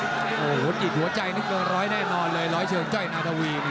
โอ้โหหดหิดหัวใจนักกองร้อยแน่นอนเลยร้อยเชิงจ้อยนาทาวีนี่